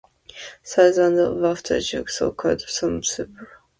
Thousands of aftershocks occurred, some severe.